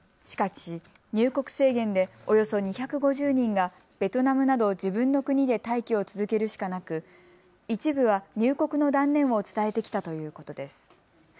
しかし入国制限でおよそ２５０人がベトナムなど自分の国で待機を続けるしかなく一部は入国の断念を伝えてきたということです。